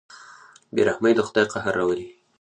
بېرحمي د خدای قهر راولي.